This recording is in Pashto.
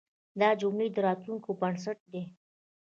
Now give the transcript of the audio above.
دا جملې د راتلونکي بنسټ دی.